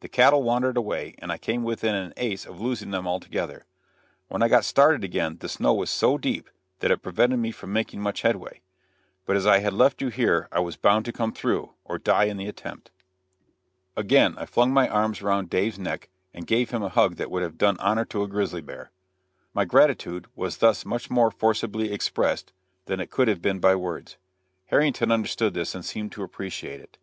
The cattle wandered away, and I came within an ace of losing them altogether. When I got started again the snow was so deep that it prevented me from making much headway. But as I had left you here I was bound to come through, or die in the attempt." Again I flung my arms around Dave's neck and gave him a hug that would have done honor to a grizzly bear. My gratitude was thus much more forcibly expressed than it could have been by words. Harrington understood this, and seemed to appreciate it.